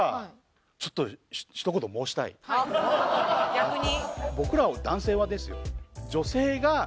逆に？